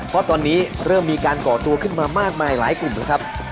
เพราะตอนนี้เริ่มมีการก่อตัวขึ้นมามากมายหลายกลุ่มนะครับ